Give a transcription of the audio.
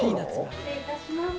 失礼いたします。